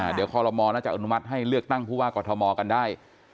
เดี๋ยวคอลโมน่าจะอนุมัติให้เลือกตั้งผู้ว่ากอทมกันได้